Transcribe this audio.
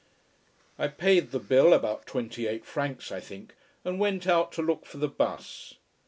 I paid the bill about twenty eight francs, I think and went out to look for the bus.